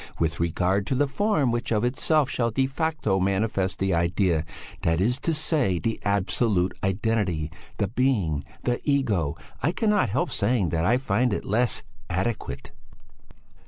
With regard to the form which of itself shall de facto manifest the idea, that is to say the absolute identity, the being, the ego I cannot help saying that I find it less adequate."